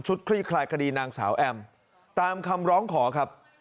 คลี่คลายคดีนางสาวแอมตามคำร้องขอครับ